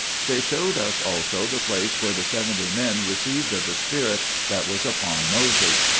1 They showed us also the place where the seventy men received of the spirit that was upon Moses.